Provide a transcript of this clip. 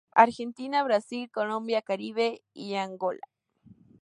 Argentina, Brasil, Colombia, Caribe y Angola.